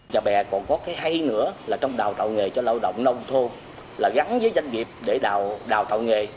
cho bè còn có cái hay ý nữa là trong đào tạo nghề cho lao động nông thôn là gắn với doanh nghiệp để đào tạo nghề